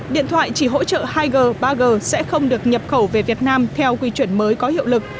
điện thoại chỉ hỗ trợ hai g ba g sẽ không được nhập khẩu về việt nam theo quy chuẩn mới có hiệu lực